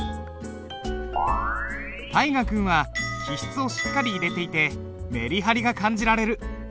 大河君は起筆をしっかり入れていてメリハリが感じられる。